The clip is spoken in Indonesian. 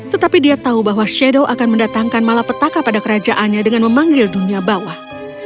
tetapi dia tahu bahwa shadow akan mendatangkan malapetaka pada kerajaannya dengan memanggil dunia bawah